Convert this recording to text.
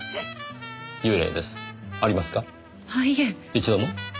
一度も？